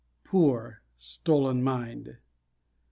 Poor: "Stolen Mind."